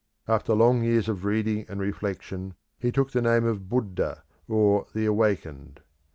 After long years of reading and reflection he took the name of Buddha, or "the Awakened."